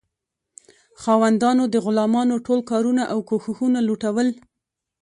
خاوندانو د غلامانو ټول کارونه او کوښښونه لوټول.